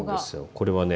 これはね